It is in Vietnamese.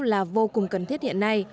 là vô cùng cần thiết hiện